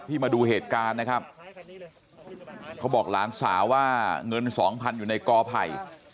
มาดูเหตุการณ์นะครับเขาบอกหลานสาวว่าเงินสองพันอยู่ในกอไผ่